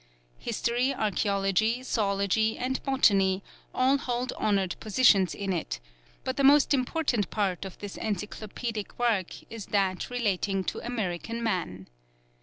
History, archæology, zoology, and botany all hold honoured positions in it; but the most important part of this encyclopædic work is that relating to American man.